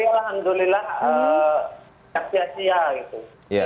tapi alhamdulillah siap siap